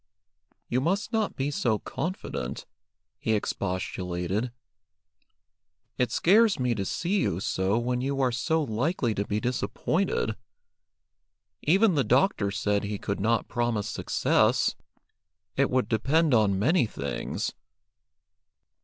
"You must not be so confident," he expostulated. "It scares me to see you so when you are so likely to be disappointed. Even the doctor said he could not promise success. It would depend on many things."